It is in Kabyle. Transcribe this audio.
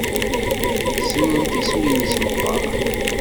Ssnent isem-nnes meqqar?